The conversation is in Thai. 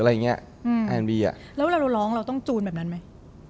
แล้วเราร้องเราต้องจูลแบบนั้นมั้ย